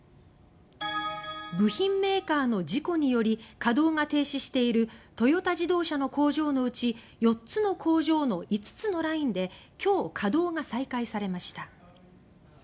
部品メーカーの事故により稼働が停止しているトヨタ自動車の工場のうち４つの工場の５つのラインで今日稼働が再開されました。